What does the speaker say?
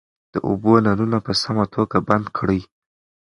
د اوبو نلونه په سمه توګه بند کړئ.